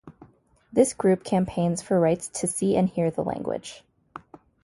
This group campaigns for rights to see and hear the language.